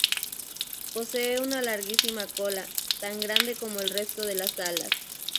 Posee una larguísima cola, tan grande como el resto de las alas.